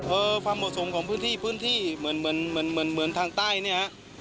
เออความประสงค์ของพื้นที่เหมือนทางใต้นี่ฮะ